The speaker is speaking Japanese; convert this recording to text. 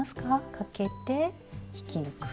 かけて引き抜く。